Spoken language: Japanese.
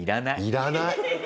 要らない。